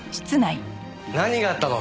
何があったの？